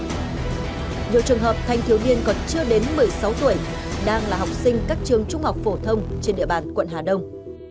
nhiều trường hợp thanh thiếu niên còn chưa đến một mươi sáu tuổi đang là học sinh các trường trung học phổ thông trên địa bàn quận hà đông